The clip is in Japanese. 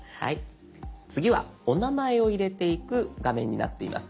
次はお名前を入れていく画面になっています。